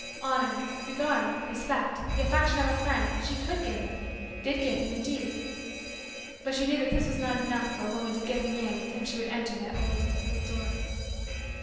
Honor, regard, respect, the affection of a friend, she could give him did give him indeed but she knew that this was not enough for a woman to give the man with whom she would enter that old, old, door.